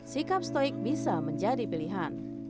sikap stoik bisa menjadi pilihan